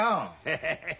ヘヘヘヘ。